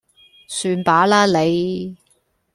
算罷啦你